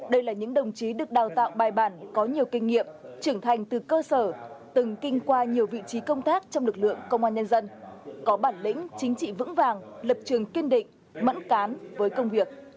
đây là những đồng chí được đào tạo bài bản có nhiều kinh nghiệm trưởng thành từ cơ sở từng kinh qua nhiều vị trí công tác trong lực lượng công an nhân dân có bản lĩnh chính trị vững vàng lập trường kiên định mẫn cán với công việc